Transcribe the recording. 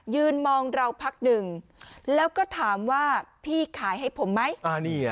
ยืนมองเราพักหนึ่งแล้วก็ถามว่าพี่ขายให้ผมไหม